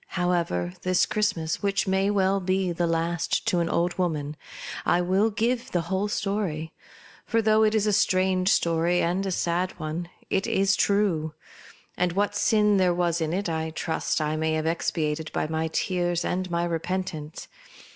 However, this Christmas, which may be the last to an old woman, I will give the whole story ; for though it is a strange story, and a sad one, it is true ; and what sin there was in it I trust I may have expiated by my tears and my repentance.